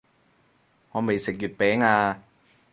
我未食月餅啊